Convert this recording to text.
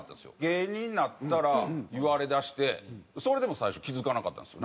芸人になったら言われだしてそれでも最初気付かなかったんですよ。